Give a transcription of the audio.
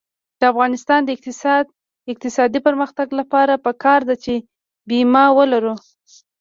د افغانستان د اقتصادي پرمختګ لپاره پکار ده چې بیمه ولرو.